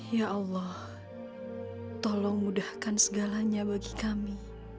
ya allah tolong mudahkan segalanya bagi kami